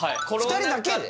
２人だけで？